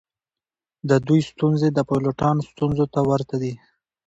د دوی ستونزې د پیلوټانو ستونزو ته ورته دي